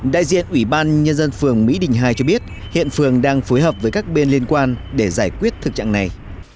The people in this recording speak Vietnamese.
đại diện ủy ban nhân dân phường mỹ đình hai cho biết hiện phường đang phối hợp với các bên liên quan để giải quyết thực trạng này